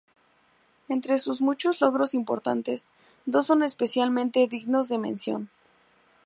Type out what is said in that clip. Entre sus muchos logros importantes, dos son especialmente dignos de mención.